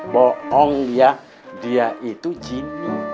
bohong ya dia itu jindu